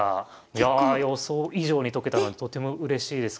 いや予想以上に解けたのでとてもうれしいです。